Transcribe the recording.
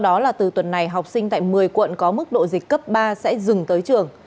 đó là từ tuần này học sinh tại một mươi quận có mức độ dịch cấp ba sẽ dừng tới trường